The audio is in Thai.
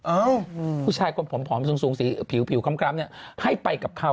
อืมผู้ชายคนผอมผอมสูงสูงสีผิวผิวคำกร้ำเนี้ยให้ไปกับเขา